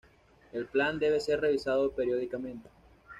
El plan debe ser revisado periódicamente.